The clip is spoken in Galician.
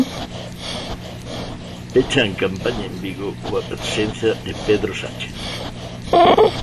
Pechan campaña en Vigo coa presenza de Pedro Sánchez.